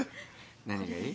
何がいい？